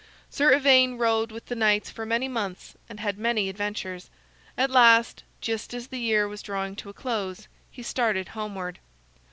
Sir Ivaine rode with the knights for many months, and had many adventures. At last, just as the year was drawing to a close, he started homeward.